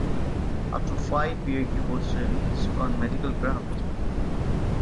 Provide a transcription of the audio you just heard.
After five years he was released on medical grounds.